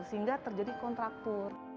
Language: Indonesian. sehingga terjadi kontraktor